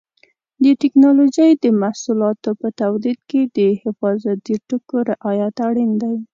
د ټېکنالوجۍ د محصولاتو په تولید کې د حفاظتي ټکو رعایت اړین دی.